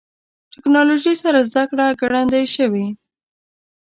ټکنالوژي سره زدهکړه ګړندۍ شوې.